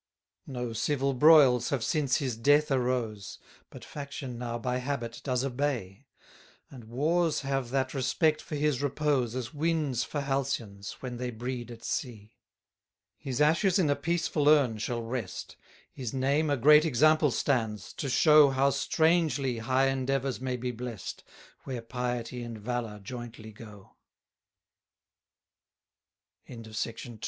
36 No civil broils have since his death arose, But faction now by habit does obey; And wars have that respect for his repose, As winds for halcyons, when they breed at sea. 37 His ashes in a peaceful urn shall rest; His name a great example stands, to show How strangely high endeavours may be blest, Where piety and va